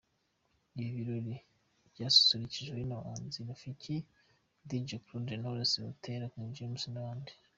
Ibi birori byasusurukijwe n’abahanzi Rafiki, Dr Claude, Knowles Butera, King James n’abandi.